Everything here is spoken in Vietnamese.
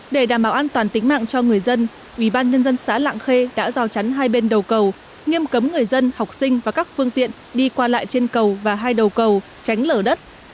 để đảm bảo an toàn tính mạng cho người dân ubnd xã lạng khê đã rào chắn hai bên đầu cầu nghiêm cấm người dân học sinh và các phương tiện đi qua lại trên cầu và hai đầu cầu tránh lở đất